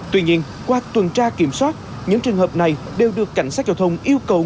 tuy nhiên qua tuần tra kiểm soát những trường hợp này đều được cảnh sát giao thông yêu cầu